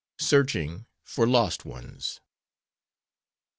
SEARCHING FOR LOST ONES.